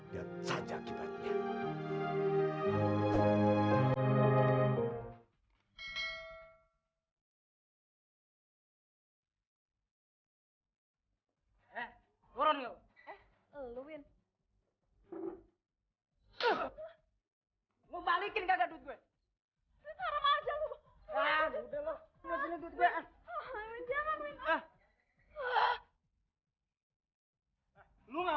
lihat saja akibatnya